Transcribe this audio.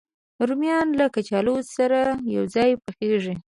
رومیان له کچالو سره یو ځای پخېږي